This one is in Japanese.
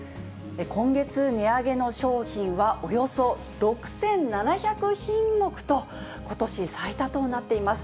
今月値上げの商品は、およそ６７００品目と、ことし最多となっています。